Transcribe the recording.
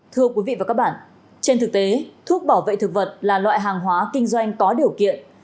thưa quý vị và các bạn trên thực tế thuốc bảo vệ thực vật là loại hàng hóa kinh doanh có điều kiện